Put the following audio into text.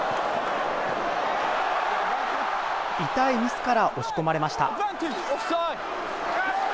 痛いミスから押し込まれました。